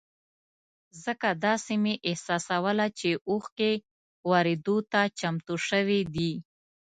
ځکه داسې مې احساسوله چې اوښکې ورېدو ته چمتو شوې دي.